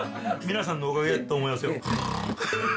皆さんのおかげと思いますよ。